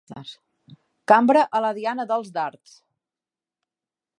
Cambra a la diana dels dards.